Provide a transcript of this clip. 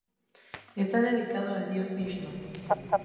Está dedicado al dios Vishnu.